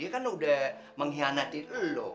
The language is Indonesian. dia kan udah mengkhianati lo